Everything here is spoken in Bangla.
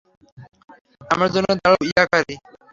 আমার জন্য দাঁড়াও, ইয়াকারি!